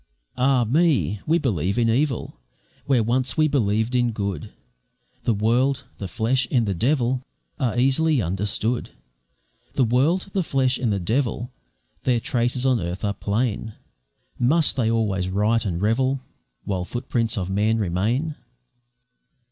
Ah, me! we believe in evil, Where once we believed in good, The world, the flesh, and the devil Are easily understood; The world, the flesh, and the devil Their traces on earth are plain; Must they always riot and revel While footprints of man remain?